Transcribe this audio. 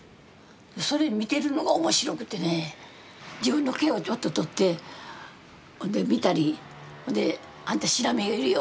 それ見てるのが面白くてね自分の毛をちょっと取って見たり「あんたシラミいるよ」